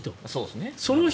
その人。